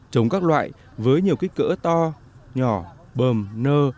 chống các loại với nhiều kích cỡ to nhỏ bờm nơ